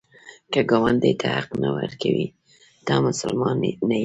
که ګاونډي ته حق نه ورکوې، ته مسلمان نه یې